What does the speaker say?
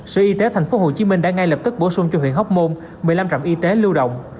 sở y tế tp hcm đã ngay lập tức bổ sung cho huyện hóc môn một mươi năm trạm y tế lưu động